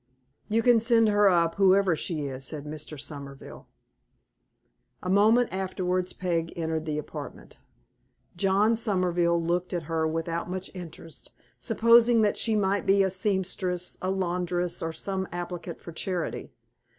"You can send her up, whoever she is," said Mr. Somerville. A moment afterwards Peg entered the apartment. John Somerville looked at her without much interest, supposing that she might be a seamstress, or laundress, or some applicant for charity.